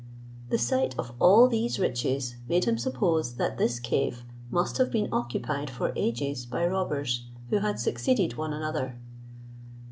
The sight of all these riches made him suppose that this cave must have been occupied for ages by robbers, who had succeeded one another.